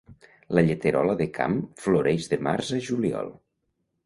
La lleterola de camp floreix de març a juliol.